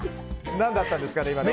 何だったんですか？